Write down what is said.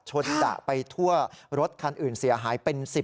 ดะไปทั่วรถคันอื่นเสียหายเป็น๑๐